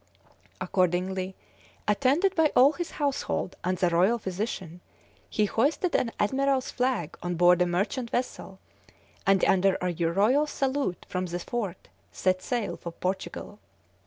Accordingly, attended by all his household and the royal physician, he hoisted an admiral's flag on board a merchant vessel, and, under a royal salute from the fort, set sail for Portugal.